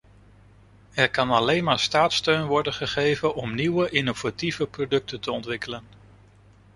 Er kan alleen maar staatssteun worden gegeven om nieuwe, innovatieve producten te ontwikkelen.